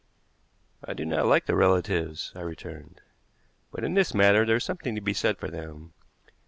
"I do not like the relatives," I returned; "but in this matter there is something to be said for them.